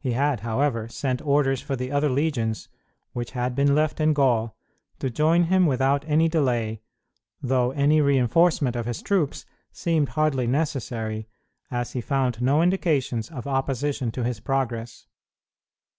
He had, however, sent orders for the other legions, which had been left in Gaul, to join him without any delay, though any reinforcement of his troops seemed hardly necessary, as he found no indications of opposition to his progress.